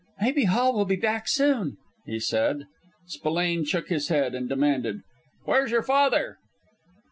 "Maybe Hall will be back soon," he said. Spillane shook his head, and demanded, "Where's your father?"